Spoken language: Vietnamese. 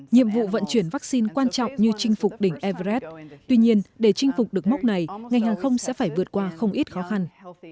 nhiệm vụ vận chuyển vaccine quan trọng như chinh phục đỉnh everes tuy nhiên để chinh phục được mốc này ngành hàng không sẽ phải vượt qua không ít khó khăn